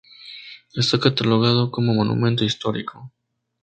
Está catalogado como monumento histórico.